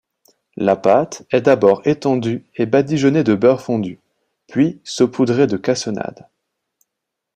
La pâte est d'abord étendue et badigeonnée de beurre fondu, puis saupoudrée de cassonade.